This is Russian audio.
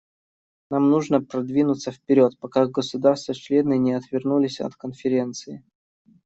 Нам нужно продвинуться вперед, пока государства-члены не отвернулись от Конференции.